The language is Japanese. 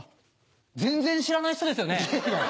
全然知らない人ですよね？